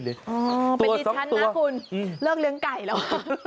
ตัวสองตัวอ๋อเป็นดิฉันนะคุณเลิกเลี้ยงไก่แล้ว